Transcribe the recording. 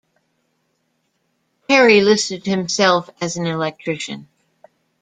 Perry listed himself as an electrician.